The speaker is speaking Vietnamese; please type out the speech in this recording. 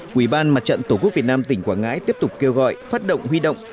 quỹ ban mặt trận tổ quốc việt nam tỉnh quảng ngãi tiếp tục kêu gọi phát động huy động